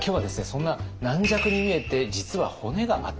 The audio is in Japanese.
そんな軟弱に見えて実はホネがあった